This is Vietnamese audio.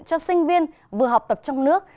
cho sinh viên vừa học tập trong nước